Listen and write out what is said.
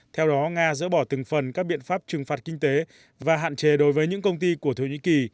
theo đó nga dỡ bỏ từng phần các biện pháp trừng phạt kinh tế và hạn chế đối với những công ty của thổ nhĩ kỳ